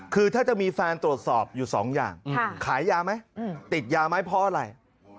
คือถ้าจะมีแฟนตรวจสอบอยู่สองอย่างขายยาไหมติดยาไหมเพราะอะไร